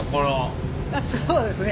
そうですね。